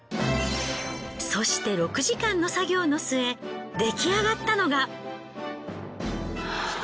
そして６時間の作業の末出来上がったのが。